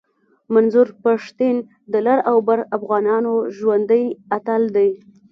منظور پشتین د لر او بر افغانانو ژوندی اتل دی